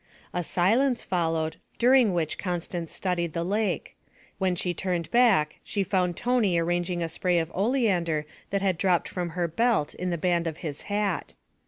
A silence followed, during which Constance studied the lake; when she turned back, she found Tony arranging a spray of oleander that had dropped from her belt in the band of his hat.